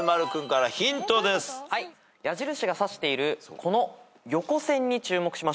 矢印が指しているこの横線に注目しましょう。